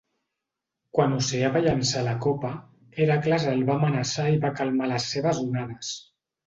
Quan Oceà va llançar la copa, Hèracles el va amenaçar i va calmar les seves onades.